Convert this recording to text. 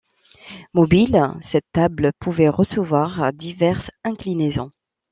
Mobile, cette table pouvait recevoir diverses inclinaisons.